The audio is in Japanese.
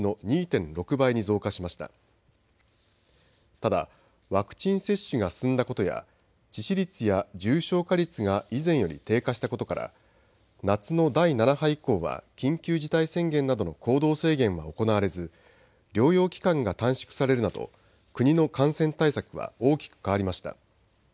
ただワクチン接種が進んだことや致死率や重症化率が以前より低下したことから夏の第７波以降は緊急事態宣言などの行動制限は行われず療養期間が短縮されるなど国の感染対策は大きく変わりました。